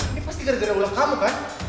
ini pasti gara gara ulang kamu kan